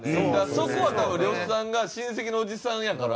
そこは多分呂布さんが親戚のおじさんやから。